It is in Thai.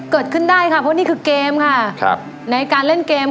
เกิดขึ้นได้ที่เล่นเกม